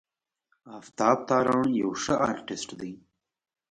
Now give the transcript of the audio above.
آفتاب تارڼ یو ښه آرټسټ دی.